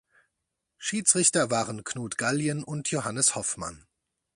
Schiedsrichter waren Knut Gallien und Johannes Hoffmann.